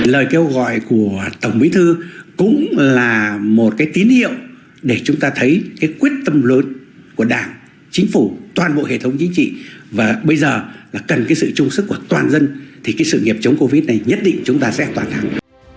lời kêu gọi của tổng bí thư cũng là một cái tín hiệu để chúng ta thấy cái quyết tâm lớn của đảng chính phủ toàn bộ hệ thống chính trị và bây giờ là cần cái sự trung sức của toàn dân thì cái sự nghiệp chống covid này nhất định chúng ta sẽ toàn thắng